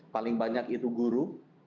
paling banyak itu guru